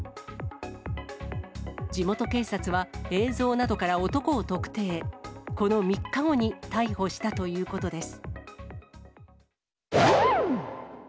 地元警察は、映像などから男を特定、この３日後に逮捕したということです。